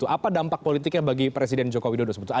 apa dampak politiknya bagi presiden joko widodo sebetulnya